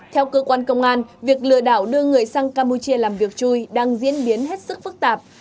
theo cơ quan công an việc lừa đảo đưa người sang campuchia làm việc chui đang diễn biến hết sức phức tạp